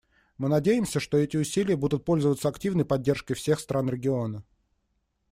Мы надеемся, что эти усилия будут пользоваться активной поддержкой всех стран региона.